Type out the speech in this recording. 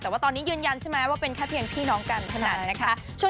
แต่ว่าตอนนี้ยืนยันใช่ไหมว่าเป็นแค่เพียงพี่น้องกันเท่านั้นนะคะ